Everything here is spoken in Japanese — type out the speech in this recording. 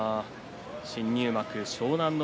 新入幕湘南乃